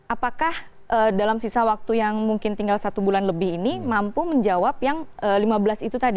apakah dalam sisa waktu yang mungkin tinggal satu bulan lebih ini mampu menjawab yang lima belas itu tadi